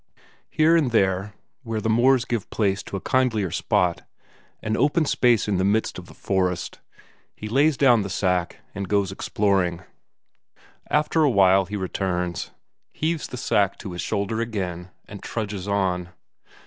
Here and there, where the moors give place to a kindlier spot, an open space in the midst of the forest, he lays down the sack and goes exploring; after a while he returns, heaves the sack to his shoulder again, and trudges on.